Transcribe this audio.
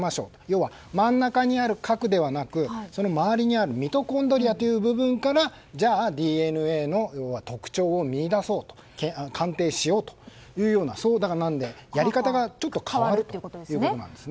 要は真ん中にある核ではなくその周りにあるミトコンドリアという部分からＤＮＡの特徴を見いだそう鑑定しようというようなやり方が変わるということです。